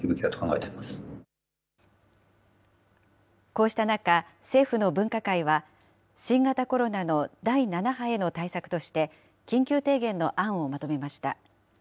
こうした中、政府の分科会は新型コロナの第７波への対策として、緊急提言の案をまとめました。